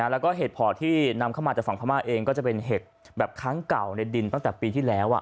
แล้วก็เห็ดพอที่นำเข้ามาจากฝั่งพม่าเองก็จะเป็นเห็ดแบบครั้งเก่าในดินตั้งแต่ปีที่แล้ว